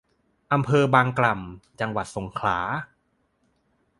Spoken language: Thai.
อำเภอบางกล่ำ จังหวัดสงขลา